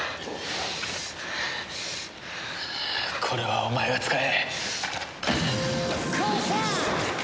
これはお前が使え。